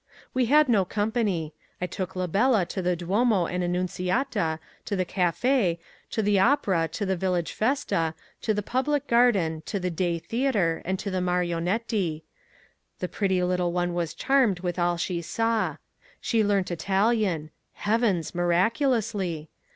We kept no company. I took la bella to the Duomo and Annunciata, to the Café, to the Opera, to the village Festa, to the Public Garden, to the Day Theatre, to the Marionetti. The pretty little one was charmed with all she saw. She learnt Italian—heavens! miraculously!